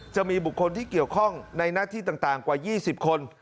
จะมีบุคคลที่เกี่ยวข้องในหน้าที่ต่างกว่า๒๐คน